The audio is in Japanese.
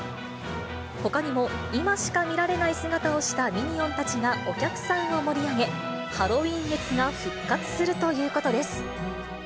ほかにも今しか見られない姿をしたミニオンたちがお客さんを盛り上げ、ハロウィーン熱が復活するということです。